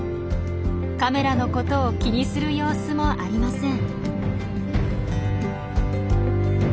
カメラのことを気にする様子もありません。